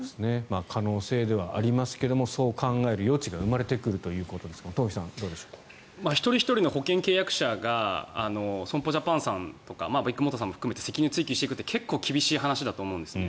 可能性ではありますがそう考える余地が生まれてくるということですが一人ひとりの保険契約者が損保ジャパンさんとかビッグモーターさんも含めて責任追及していくって結構厳しい話だと思うんですね。